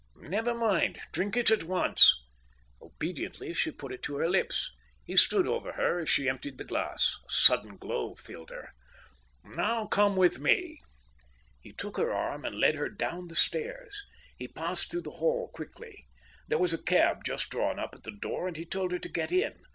"Never mind! Drink it at once." Obediently she put it to her lips. He stood over her as she emptied the glass. A sudden glow filled her. "Now come with me." He took her arm and led her down the stairs. He passed through the hall quickly. There was a cab just drawn up at the door, and he told her to get in.